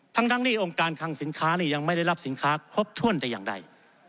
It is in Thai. ทั้งที่องค์การคังสินค้านี่ยังไม่ได้รับสินค้าครบถ้วนแต่อย่างใด